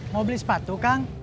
mau beli sepatu kang